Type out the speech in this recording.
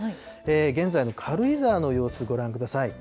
現在の軽井沢の様子、ご覧ください。